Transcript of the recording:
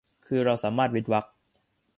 คือเราสามารถเว้นเวรรค